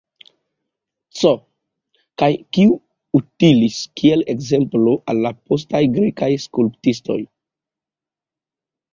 C. Kaj kiu utilis kiel ekzemplo al la postaj grekaj skulptistoj.